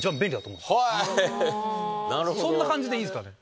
そんな感じでいいんすかね。